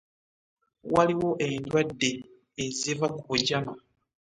Waliwo eddwadde eziva ku bujama.